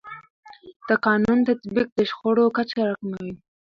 د قانون تطبیق د شخړو کچه راکموي.